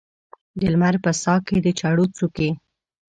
د لمر په ساه کې د چړو څوکې